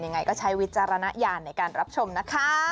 ยังไงก็ใช้วิจารณญาณในการรับชมนะคะ